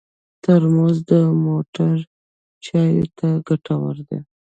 ترموز د موټر چایو ته ګټور دی.